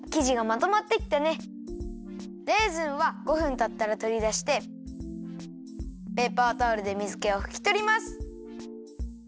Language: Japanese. レーズンは５分たったらとりだしてペーパータオルでみずけをふきとります。